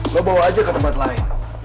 gue bawa aja ke tempat lain